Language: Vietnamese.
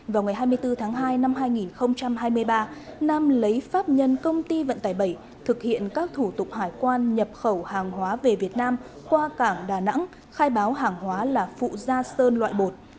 vào ngày hai mươi bốn tháng hai năm hai nghìn hai mươi ba nam lấy pháp nhân công ty vận tải bảy thực hiện các thủ tục hải quan nhập khẩu hàng hóa về việt nam qua cảng đà nẵng khai báo hàng hóa là phụ da sơn loại bột